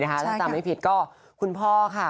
ถ้าจำไม่ผิดก็คุณพ่อค่ะ